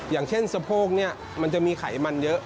อย่างเช่นสะโพกเนี่ยมันจะมีไขมันเยอะ